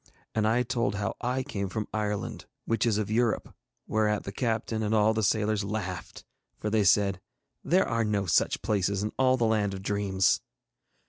And I told how I came from Ireland, which is of Europe, whereat the captain and all the sailors laughed, for they said, 'There are no such places in all the land of dreams.'